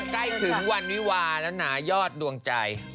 ใกล้ถึงวันวิวาแล้วนะยอดดวงใจ